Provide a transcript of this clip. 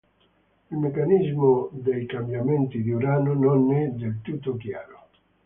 Il meccanismo dei cambiamenti di Urano non è del tutto chiaro.